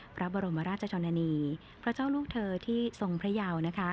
พระบรมราชชนนานีพระเจ้าลูกเธอที่ทรงพระยาวนะคะ